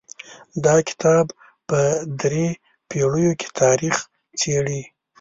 دا کتاب په درې پېړیو کې تاریخ څیړي.